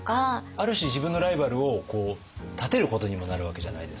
ある種自分のライバルを立てることにもなるわけじゃないですか。